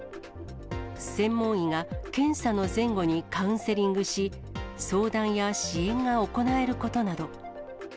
専門医が検査の前後にカウンセリングし、相談や支援が行えることなど。